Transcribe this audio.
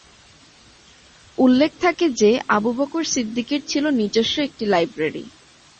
উল্লেখ থাকে যে, আবু বকর সিদ্দিকীর ছিল নিজস্ব একটি লাইব্রেরী।